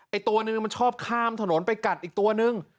ตัวนึงมันชอบข้ามถนนไปกัดอีกตัวนึง